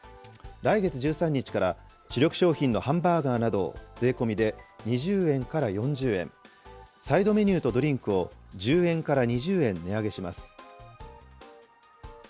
来月１３日から、主力商品のハンバーガーなどを税込みで２０円から４０円、サイドメニューとドリンクを１０円から２０円値上げします。